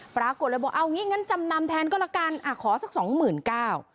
ปรากฏเลยบอกเอางี้งั้นจำนำแทนก็ละกันอ่ะขอสักสองหมื่นเก้า